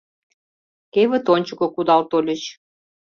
Кевыт ончыко кудал тольыч.